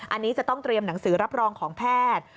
อันนี้จะต้องเตรียมหนังสือรับรองของแพทย์